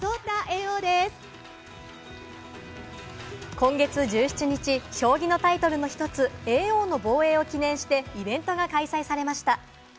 今月１７日、将棋のタイトルの一つ、叡王の防衛を記念してイベントが開催されました。